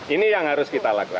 ini yang harus kita lakukan